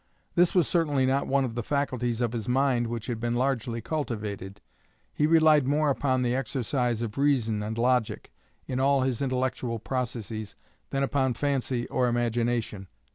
This was certainly not one of the faculties of his mind which had been largely cultivated. He relied more upon the exercise of reason and logic, in all his intellectual processes, than upon fancy or imagination.